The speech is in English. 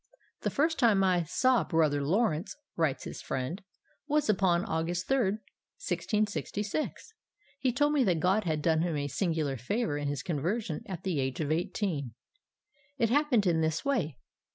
'The first time I saw Brother Lawrence,' writes his friend, 'was upon August 3, 1666. He told me that God had done him a singular favour in his conversion at the age of eighteen. It happened in this way.